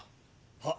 はっ。